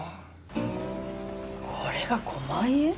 これが５万円！？